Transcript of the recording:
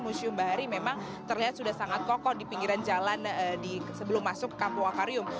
museum bahari memang terlihat sudah sangat kokoh di pinggiran jalan sebelum masuk kampung akarium